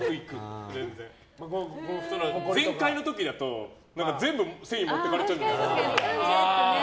全開の時だと全部繊維持ってかれちゃう。